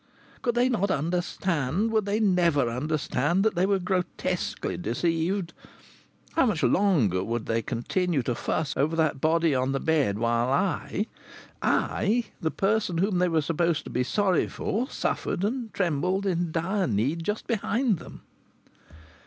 Could they not understand, would they never understand, that they were grotesquely deceived? How much longer would they continue to fuss over that body on the bed while I, I, the person whom they were supposed to be sorry for, suffered and trembled in dire need just behind them?